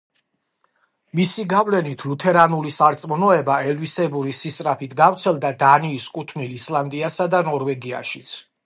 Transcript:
მისი გავლენით, ლუთერანული სარწმუნოება ელვისებური სისწრაფით გავრცელდა დანიის კუთვნილ ისლანდიასა და ნორვეგიაშიც.